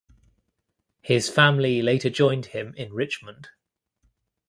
His family later joined him in Richmond.